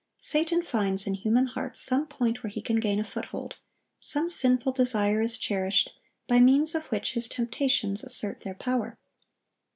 Satan finds in human hearts some point where he can gain a foothold; some sinful desire is cherished, by means of which his temptations assert their power.